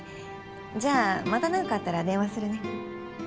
じゃあまた何かあったら電話するね。